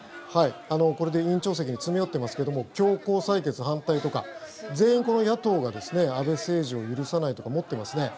これで委員長席に詰め寄ってますけども「強行採決反対」とか全員この野党が「アベ政治を許さない」とか持ってますね。